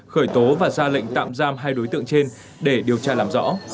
khởi tố và ra lệnh tạm giam hai đối tượng trên để điều tra làm rõ